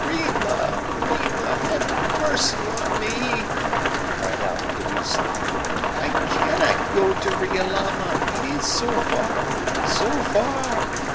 "Rima! Rima! have mercy on me!" he cried out piteously. "I cannot go to Riolama, it is so far so far.